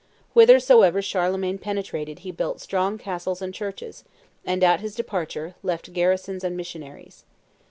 Whithersoever Charlemagne penetrated he built strong castles and churches; and, at his departure, left garrisons and missionaries.